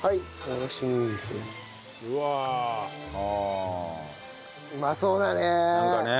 うまそうだね！